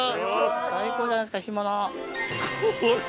最高じゃないですか干物。